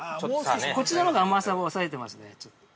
◆こちらのほうが甘さを抑えてますね、ちょっと。